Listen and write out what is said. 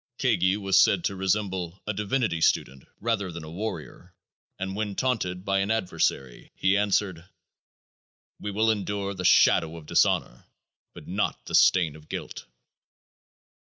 Kagi was said to resemble "a divinity student rather than a warrior," and when taunted by an adversary, he answered, "We will endure the shadow of dishonor, but not the stain of guilt."